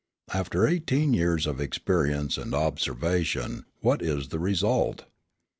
After eighteen years of experience and observation, what is the result?